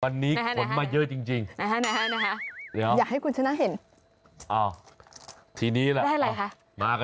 วันนี้ขนมาเยอะจริงนะฮะ